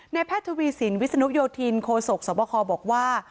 แพทย์ทวีสินวิศนุโยธินโคศกสวบคบอกว่า